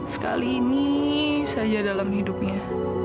sekali ini saja dalam hidupnya